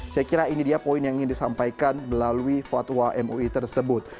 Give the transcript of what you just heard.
saya kira ini dia poin yang ingin disampaikan melalui fatwa mui tersebut